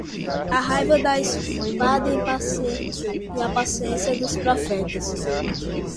A raiva da espada e a paciência dos profetas